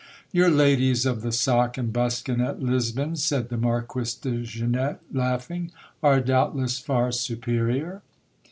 Your ladies of the sock and buskin at Lisbon, said the Marquis de Zenette, laughing, are doubtless far superior